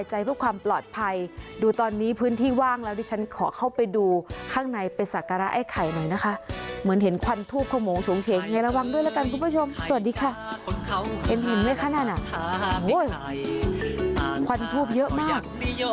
เห็นหินไหมคะนั่นอ่ะโอ้ยควันทูบเยอะมาก